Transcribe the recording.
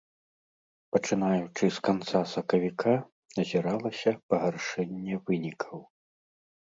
Пачынаючы з канца сакавіка назіралася пагаршэнне вынікаў.